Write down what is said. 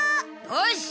よし！